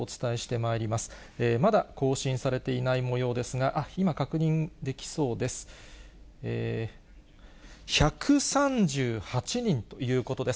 まだ更新されていないもようですが、あっ、今、確認できそうです。